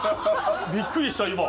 びっくりした、今。